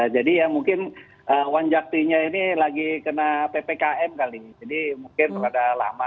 jadi ya mungkin wanjaktinya ini lagi kena ppkm kali ini jadi mungkin terlalu lama